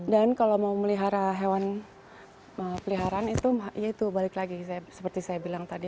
dan kalau mau melihara hewan peliharaan itu ya itu balik lagi seperti saya bilang tadi